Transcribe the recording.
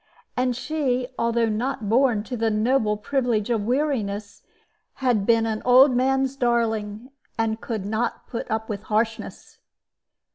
And she, although not born to the noble privilege of weariness, had been an old man's darling, and could not put up with harshness.